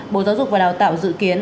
bộ giáo dục và đào tạo dự kiến